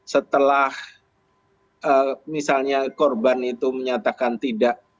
setelah misalnya korban itu menyatakan tidak